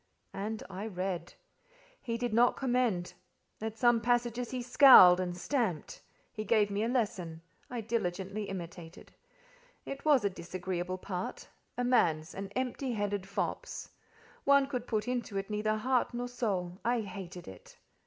And I read. He did not commend; at some passages he scowled and stamped. He gave me a lesson: I diligently imitated. It was a disagreeable part—a man's—an empty headed fop's. One could put into it neither heart nor soul: I hated it.